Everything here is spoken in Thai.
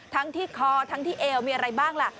ทั้งที่คอทั้งที่เอวมีอะไรบ้างล่ะ